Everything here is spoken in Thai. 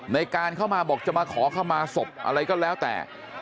ในการเข้ามาบอกจะมาขอเข้ามาศพอะไรก็แล้วแต่